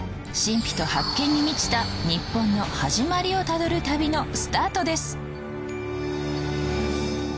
神秘と発見に満ちた日本の始まりをたどる旅のスタートです。